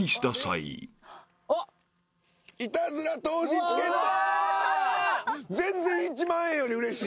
イタズラ透視チケット！